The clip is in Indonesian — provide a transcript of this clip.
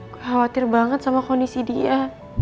khawatir banget sama kondisi dia